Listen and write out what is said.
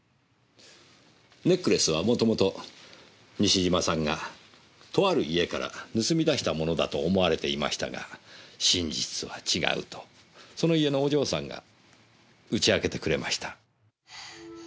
ネックレスはもともと西島さんがとある家から盗み出したものだと思われていましたが真実は違うとその家のお嬢さんが打ち明けてくれました。